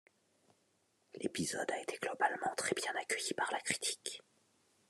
L'épisode a été globalement très bien accueilli par la critique.